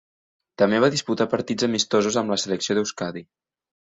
També va disputar partits amistosos amb la selecció d'Euskadi.